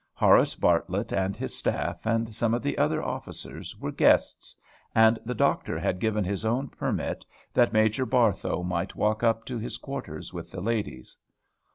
Horace Bartlett and his staff, and some of the other officers, were guests; and the doctor had given his own permit that Major Barthow might walk up to his quarters with the ladies.